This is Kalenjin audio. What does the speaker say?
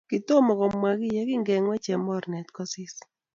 Kitomo komwakiy yekingengwech eng mornet kosis